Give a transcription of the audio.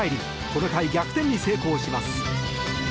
この回、逆転に成功します。